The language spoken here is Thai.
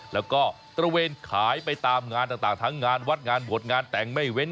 แล้วก็ตระเวนขายไปตามงานต่างทั้งงานวัดงานบวชงานแต่งไม่เว้น